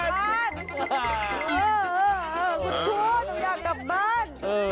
เออคุณไม่ควรอยากกลับบ้าน